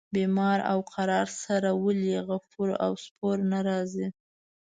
بیمار او قرار سره ولي غفور او سپور نه راځي.